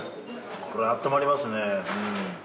これはあったまりますね。